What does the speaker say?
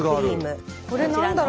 これ何だろ？